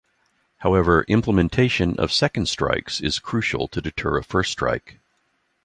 However, implementation of second strikes is crucial to deter a first strike.